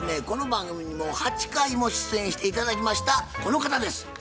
この番組にもう８回も出演して頂きましたこの方です。